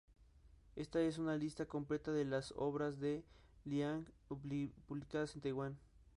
Esta es una lista completa de las obras de Li Ang publicadas en Taiwán.